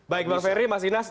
baik bang ferry mas inas